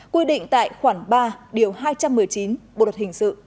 quy định tại khoảng ba điều hai trăm một mươi chín bộ đoạt hình sự